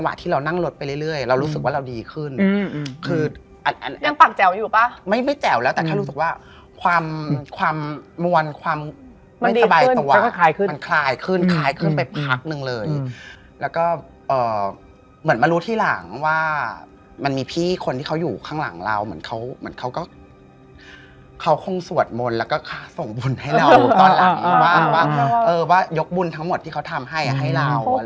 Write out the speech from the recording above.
ให้ขึ้นไปหาเขาหน่อยอย่าไปนั่งสั่งสรรค์อะไรกัน